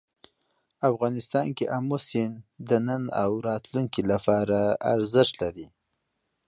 افغانستان کې آمو سیند د نن او راتلونکي لپاره ارزښت لري.